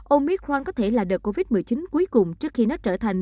omicron có thể là đợt covid một mươi chín cuối cùng trước khi nó trở thành